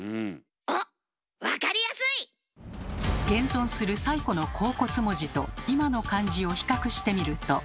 おっ！現存する最古の甲骨文字と今の漢字を比較してみると。